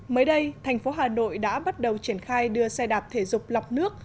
mới đây thành phố hà nội đã bắt đầu triển khai đưa xe đạp thể dục lọc nước